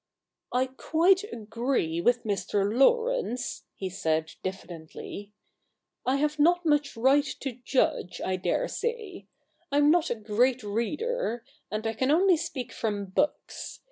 * I quite agree with Mr. Laurence,' he said diffidently. ' I have not much right to judge, I dare say. I am not a great reader ; and I can only speak from books.